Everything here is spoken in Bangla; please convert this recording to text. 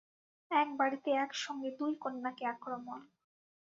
এক বাড়িতে একসঙ্গে দুই কন্যাকে আক্রমণ!